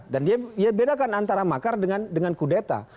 dan dia bedakan antara makar dengan kudeta